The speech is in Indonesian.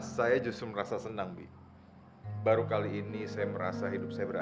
saya tidak ingin cari musuh di sini